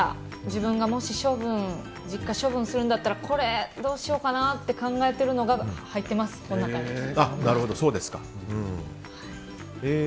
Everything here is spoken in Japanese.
自分がもし実家を処分するんだったらこれどうしようかなって考えてるのが入ってます、この中に。